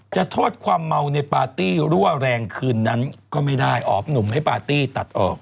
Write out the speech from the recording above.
โทษความเมาในปาร์ตี้รั่วแรงคืนนั้นก็ไม่ได้ออบหนุ่มให้ปาร์ตี้ตัดออก